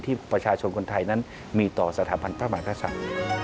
ที่ประชาชนคนไทยนั้นมีต่อสถาบันประมาณราชา